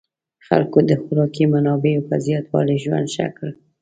خلکو د خوراکي منابعو په زیاتوالي ژوند ښه کړ.